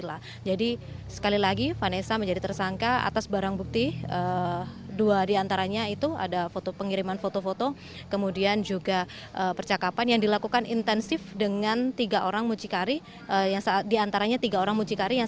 ahli bahasa ahli dari kementerian